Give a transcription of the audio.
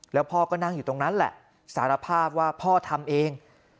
แล้วพ่อก็นั่งอยู่ตรงนั้นแหละสารภาพว่าพ่อทำเอง